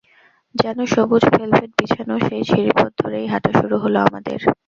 যেন সবুজ ভেলভেট বিছানো সেই ঝিরিপথ ধরেই হাঁটা শুরু হলো আমাদের।